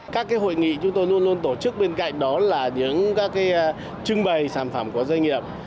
các hội nghị chúng tôi luôn luôn tổ chức bên cạnh đó là tiếng các trưng bày sản phẩm của doanh nghiệp